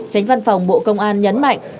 tránh văn phòng bộ công an nhấn mạnh